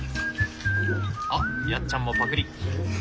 あっやっちゃんもパクリ。